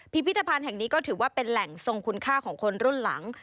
พิพิธภัณฑ์แห่งนี้ก็ถือว่าเป็นแหล่งทรงคุณค่าของคนรุ่นหลัง